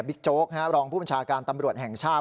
โจ๊กรองผู้บัญชาการตำรวจแห่งชาติ